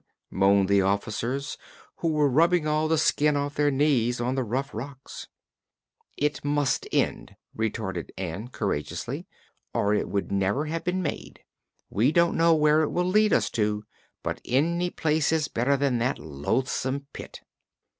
moaned the officers, who were rubbing all the skin off their knees on the rough rocks. "It must end," retorted Ann courageously, "or it never would have been made. We don't know where it will lead us to, but any place is better than that loathsome pit."